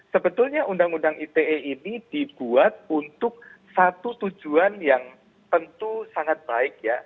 sebetulnya undang undang ite ini dibuat untuk satu tujuan yang tentu sangat baik ya